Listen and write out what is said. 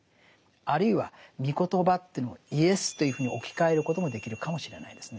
あるいは「み言葉」というのを「イエス」というふうに置き換えることもできるかもしれないですね。